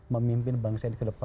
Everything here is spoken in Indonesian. memimpin bangsa yang di kedepan